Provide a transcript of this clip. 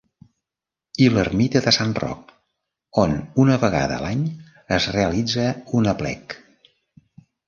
I l'Ermita de Sant Roc, on una vegada a l'any es realitza un aplec.